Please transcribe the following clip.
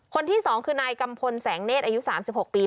คนที่๒คือนายกัมพลแสงเนธอายุ๓๖ปี